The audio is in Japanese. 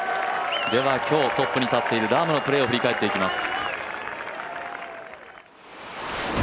では今日トップに立っているラームのプレーを振り返っていきます。